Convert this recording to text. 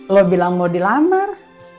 lo bilang mau di lamar